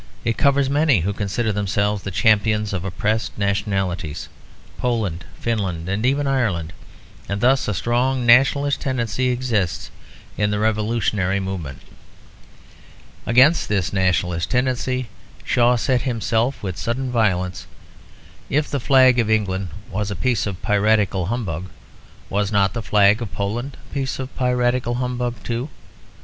It covers many who consider themselves the champions of oppressed nationalities Poland, Finland, and even Ireland; and thus a strong nationalist tendency exists in the revolutionary movement. Against this nationalist tendency Shaw set himself with sudden violence. If the flag of England was a piece of piratical humbug, was not the flag of Poland a piece of piratical humbug too?